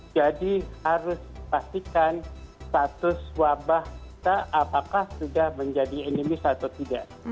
jadi harus dipastikan status wabah kita apakah sudah menjadi endemis atau tidak